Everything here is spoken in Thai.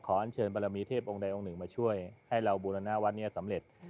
ขออั้นเชิญพระมีเทพองค์เดรียองค์หนึ่งมาช่วยให้เราบุรนาวัทว์หนิ่ยสำเร็จ